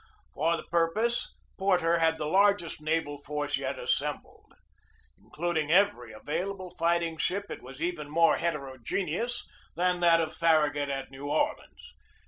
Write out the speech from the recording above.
For the purpose Porter had the largest naval force yet assembled. Including every available fighting ship, it was even more heterogeneous than that of Farragut at New Orleans.